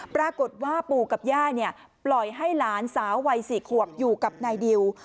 ปรากฏว่าปู่กับย่าปล่อยให้หลานสาววัย๔ขวบอยู่กับนายดิว